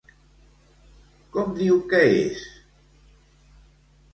Com diu que és?